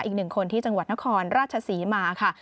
อีกหนึ่งคนที่จังหวัดนครราชศรีมาค่ะ